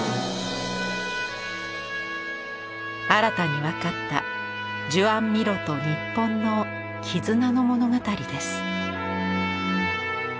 新たに分かったジュアン・ミロと日本の絆の物語です。